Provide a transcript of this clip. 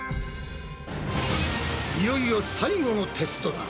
いよいよ最後のテストだ！